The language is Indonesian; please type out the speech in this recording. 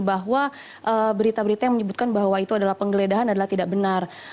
bahwa berita berita yang menyebutkan bahwa itu adalah penggeledahan adalah tidak benar